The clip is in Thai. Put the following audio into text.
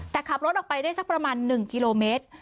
แต่ขับรถออกไปได้สักประมาณ๑กิโลเมตร